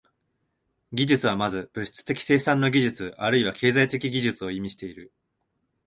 技術は先ず物質的生産の技術あるいは経済的技術を意味している。